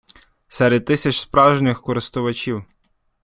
серед тисяч справжніх користувачів